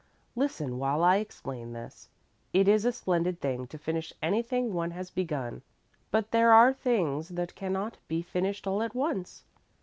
"Listen while I explain this. It is a splendid thing to finish anything one has begun, but there are things that cannot be finished all at once.